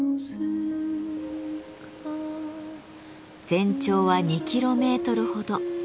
全長は２キロメートルほど。